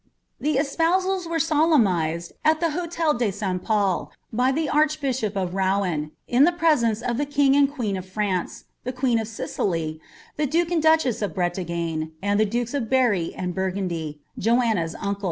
The espousals were soleiiinistd (t the hotel de St. Paul, by the archbishop of Rouen, in the prcsMiasfths king and queen of France, the queen of Sicily, Ihe duke Mid dacbnsitf Breiagjie, and the dukes of Berri and Burgundy, Joanna's undn.